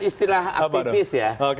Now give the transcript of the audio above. istilah aktivis ya